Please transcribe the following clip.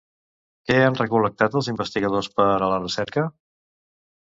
Què han recol·lectat els investigadors per a la recerca?